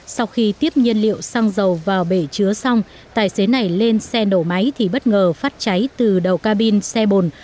sau khi tiếp nhiên liệu xăng dầu vào bể chứa xong tài xế này lên xe nổ máy thì bất ngờ phát cháy từ đầu cabin xe bồn